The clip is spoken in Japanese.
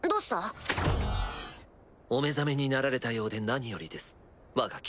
お目覚めになられたようで何よりですわが君。